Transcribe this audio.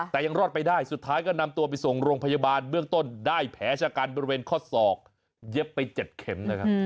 แต่ยังรอดไปได้สุดท้ายก็นำตัวไปส่งโรงพยาบาลเบื้องต้นได้แผลชะกันบริเวณข้อศอกเย็บไป๗เข็มนะครับ